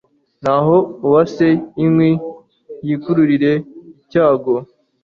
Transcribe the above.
naho uwasa inkwi yikururire icyago